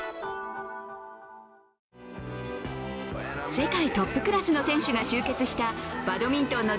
世界トップクラスの選手が集結したバドミントンの